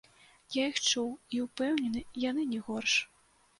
Я іх чуў, і, упэўнены, яны не горш.